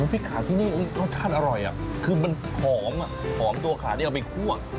พริกขาที่นี่รสชาติอร่อยคือมันหอมหอมตัวขาที่เอาไปคั่ว